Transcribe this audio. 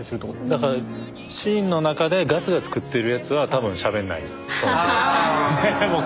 だからシーンの中でガツガツ食ってるやつは多分しゃべんないですそもそも。